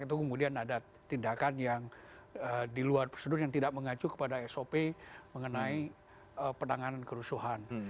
itu kemudian ada tindakan yang di luar prosedur yang tidak mengacu kepada sop mengenai penanganan kerusuhan